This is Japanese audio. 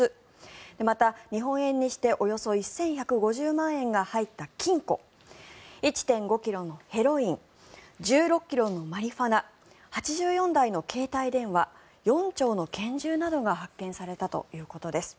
また、日本円にしておよそ１１５０万円が入った金庫１．５ｋｇのヘロイン１６ｋｇのマリファナ８４台の携帯電話４丁の拳銃などが発見されたそうです。